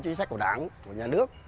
chính sách của đảng của nhà nước